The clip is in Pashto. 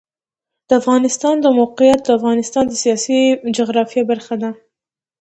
د افغانستان د موقعیت د افغانستان د سیاسي جغرافیه برخه ده.